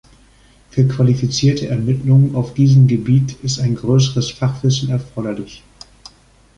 Für qualifizierte Ermittlungen auf diesem Gebiet ist ein größeres Fachwissen erforderlich.